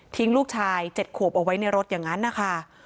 ลูกชาย๗ขวบเอาไว้ในรถอย่างนั้นนะคะ